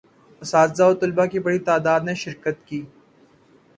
اساتذہ و طلباء کی بڑی تعداد نے شرکت کی